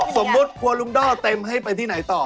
สมมุติกลัวลุงด้อเต็มให้ไปที่ไหนต่อ